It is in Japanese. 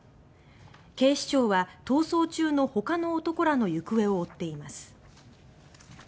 警視庁は、逃走中のほかの男らの行方を追っています。